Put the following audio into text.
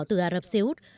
từ ả rập xê út